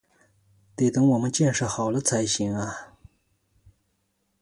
得等我们建设好了才行啊